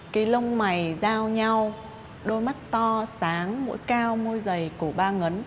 cái lông mày dao nhau đôi mắt to sáng mũi cao môi dày cổ ba ngấn